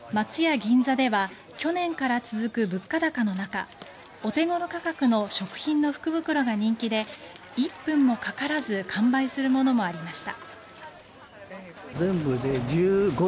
銀座では去年から続く物価高の中お手頃価格の食品の福袋が人気で１分もかからず完売するものもありました。